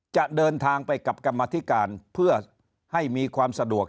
จะเดินทางไปกับกรรมธิการเพื่อให้มีความสะดวก